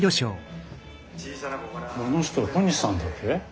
この人小西さんだっけ？